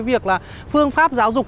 việc phương pháp giáo dục